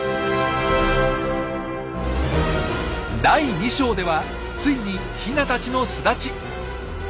第２章ではついにヒナたちの巣立ち！